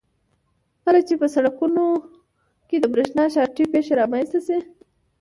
کله چې په سرکټونو کې د برېښنا شارټۍ پېښه رامنځته شي.